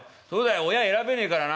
親選べねえからな。